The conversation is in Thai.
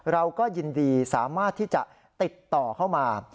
เราก็ยินดีสามารถที่จะติดต่อเข้ามา